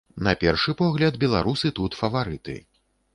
На першы погляд, беларусы тут фаварыты.